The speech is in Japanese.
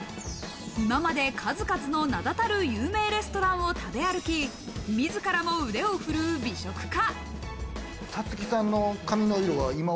今まで数々の名だたる有名レストランを食べ歩き、自らも腕を振るう美食家。